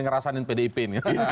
ngerasain pdip ini